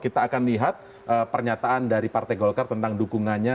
kita akan lihat pernyataan dari partai golkar tentang dukungannya